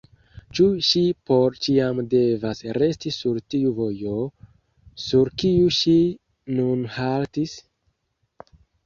Ĉu ŝi por ĉiam devas resti sur tiu vojo, sur kiu ŝi nun haltis?